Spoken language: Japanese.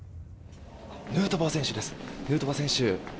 ヌートバー選手です。